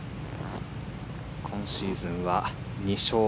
今シーズンは２勝。